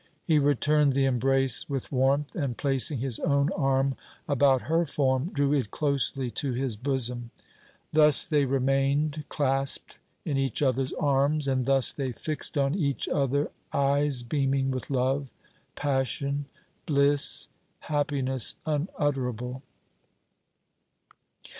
He returned the embrace with warmth, and placing his own arm about her form, drew it closely to his bosom. Thus they remained, clasped in each other's arms, and thus they fixed on each other eyes beaming with love, passion, bliss, happiness unutterable.